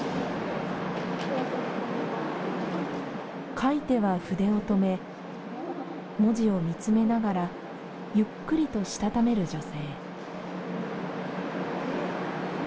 書いては筆を止め、文字を見つめながら、ゆっくりとしたためる女性。